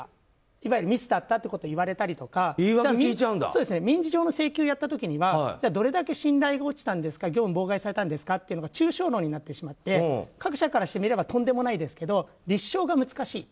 いわゆるミスだったと言われたりとか民事上の請求をやった時にはどれだけ信頼が落ちたんですか業務妨害されたんですかというのが抽象論になってしまって各者からしてみればとんでもないですが立証が難しい。